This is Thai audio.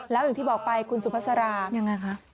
แล้วอย่างที่บอกไปคุณสุภาษารายังไงคะ